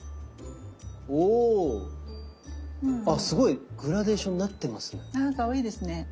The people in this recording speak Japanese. すごいグラデーションになってますね。